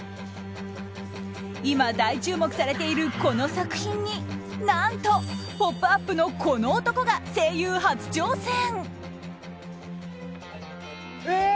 今、大注目されているこの作品に、何と「ポップＵＰ！」のこの男が声優初挑戦。